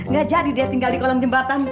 gak jadi dia tinggal di kolong jembatan